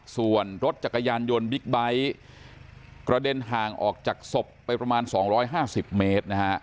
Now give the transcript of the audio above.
ส่วนรถจักรยานยนต์บิ๊กไบท์กระเด็นห่างออกจากศพไปประมาณ๒๕๐เมตรนะฮะ